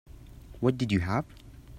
What did you have?